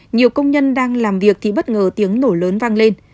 nhiều công nhân đang làm việc thì bất ngờ tiếng nổ lớn vang lên